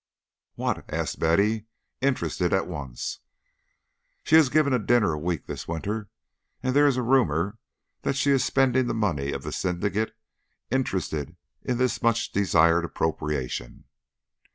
"What?" asked Betty, interested at once. "She has given a dinner a week this winter, and there is a rumour that she is spending the money of the syndicate interested in this much desired appropriation.